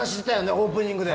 オープニングで。